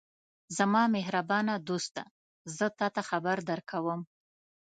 زما مهربانه دوسته! زه تاته خبر درکوم.